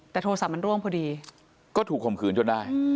แต่โทรศัพท์มันร่วงพอดีก็ถูกข่มขืนจนได้